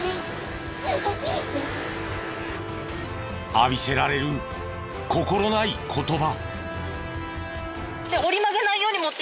浴びせられる心ない言葉。